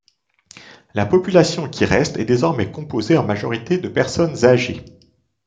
La population qui reste est désormais composée en majorité de personnes âgées.